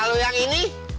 kalau yang ini